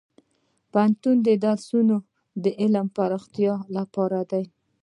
د پوهنتون درسونه د علم پراختیا لپاره دي.